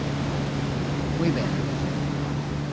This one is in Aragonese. Muit ben.